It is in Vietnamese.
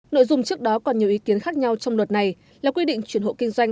nội dung trước đó còn nhiều ý kiến khác nhau trong luật này là quy định chuyển hộ kinh doanh